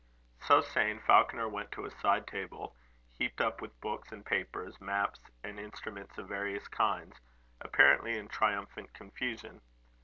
So saying, Falconer went to a side table, heaped up with books and papers, maps, and instruments of various kinds, apparently in triumphant confusion.